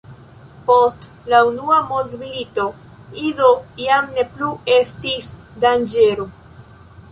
Post la unua mondmilito Ido jam ne plu estis danĝero.